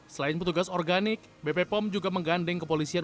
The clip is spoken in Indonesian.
selain petugas organik bp pom juga menggandeng kepolisian